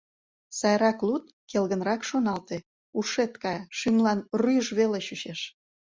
Сайрак луд, келгынрак шоналте — ушет кая, шӱмлан рӱж веле чучеш.